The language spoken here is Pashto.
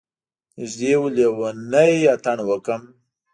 نږدې و لیونی اتڼ وکړم.